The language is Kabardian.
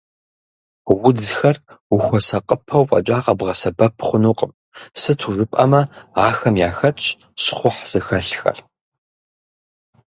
Удзхэр ухуэсакъыпэурэ фӏэкӏа къэбгъэсэбэп хъунукъым, сыту жыпӏэмэ, ахэм яхэтщ щхъухь зыхэлъхэр.